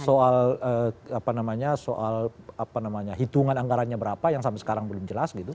soal apa namanya soal apa namanya hitungan anggarannya berapa yang sampai sekarang belum jelas gitu